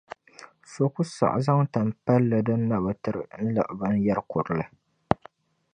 So ku saɣi zaŋ tan’ palli din na bi tiri n-liɣi binyɛr’ kurili.